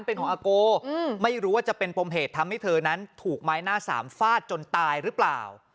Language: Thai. เป็นของอาโกไม่รู้ว่าจะเป็นปมเหตุทำให้เธอนั้นถูกไม้หน้าสามฟาดจนตายหรือเปล่า